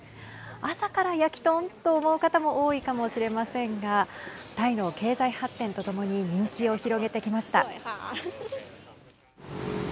朝から焼きとんと思う方も多いかもしれませんがタイの経済発展とともに人気を広げてきました。